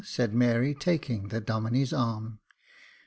" said Mary, taking the Domine's arm.